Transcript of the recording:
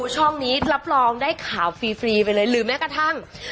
ช่องนี้รับรองได้ข่าวฟรีไปเลยหรือแม้กระทั่ง